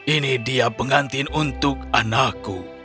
ini dia pengantin untukmu